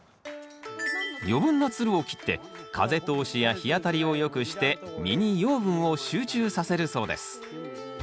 余分なつるを切って風通しや日当たりをよくして実に養分を集中させるそうです。